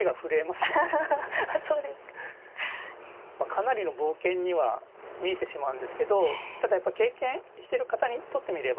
かなりの冒険には見えてしまうんですけどただやっぱり経験してる方にとってみれ